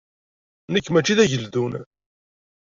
Nekk mačči d ageldun.